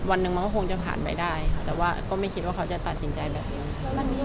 วันหนึ่งมันก็คงจะผ่านไปได้ค่ะแต่ว่าก็ไม่คิดว่าเขาจะตัดสินใจแบบนี้